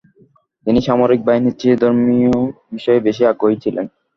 তিনি সামরিক বাহিনীর চেয়ে ধর্মীয় বিষয়ে বেশি আগ্রহী ছিলেন।